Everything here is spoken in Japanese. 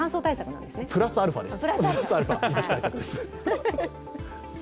プラスアルファです。